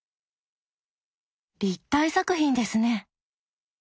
立体作品ですね。